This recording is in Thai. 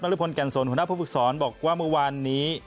ริพลแก่นสนหัวหน้าผู้ฝึกศรบอกว่าเมื่อวานนี้